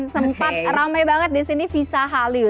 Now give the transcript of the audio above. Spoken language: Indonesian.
sempat ramai banget di sini visa hallyu